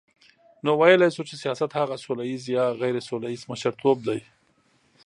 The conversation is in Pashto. نو ویلای سو چی سیاست هغه سوله ییز یا غیري سوله ییز مشرتوب دی،